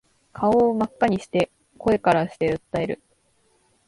顔真っ赤にして声からして訴える